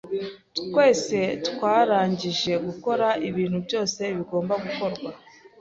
Twese twarangije gukora ibintu byose bigomba gukorwa.